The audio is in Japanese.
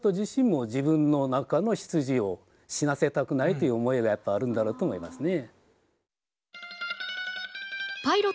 という思いがやっぱあるんだろうと思いますね。